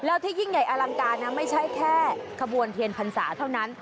แล้วที่ยิ่งใหญ่อลังการนะไม่ใช่แค่ขบวนเทียนพรรษาเท่านั้น